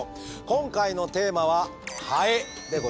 今回のテーマは「ハエ」でございます。